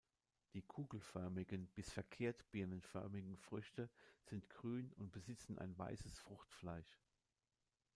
Die kugelförmigen bis verkehrt birnenförmigen Früchte sind grün und besitzen ein weißes Fruchtfleisch.